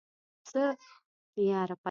پسه په لرې پرتو سیمو کې ډېر ساتل کېږي.